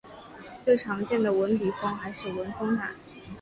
最常见的文笔峰还是文峰塔。